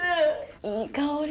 いい香り。